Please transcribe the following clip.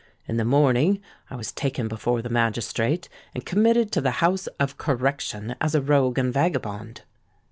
In the morning I was taken before the magistrate, and committed to the House of Correction as a rogue and vagabond.